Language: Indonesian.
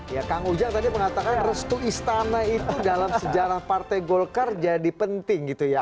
ya kang ujang tadi mengatakan restu istana itu dalam sejarah partai golkar jadi penting gitu ya